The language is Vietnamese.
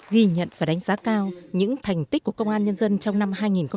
ghi nhận và đánh giá cao những thành tích của công an nhân dân trong năm hai nghìn hai mươi ba